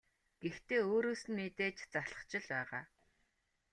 Гэхдээ өөрөөс нь мэдээж залхаж л байгаа.